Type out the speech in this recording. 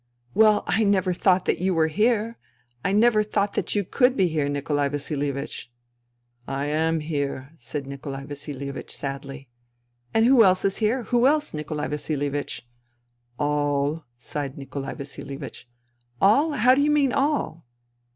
" Well, I never thought that you were here ! I never thought that you could be here, Nikolai Vasihevich." " I am here," said Nikolai Vasilievich sadly. " And who else is here, who else, Nikolai Vasilie vich ?"" All," sighed Nikolai Vasilievich. " All ! How do you mean all